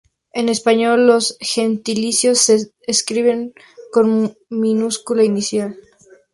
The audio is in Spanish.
En español, los gentilicios se escriben con minúscula inicial.